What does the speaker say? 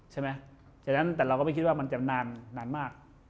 ฉะนั้นแต่เราก็ไม่คิดว่ามันจะนานมาก